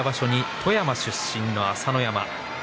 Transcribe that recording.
富山出身の朝乃山です。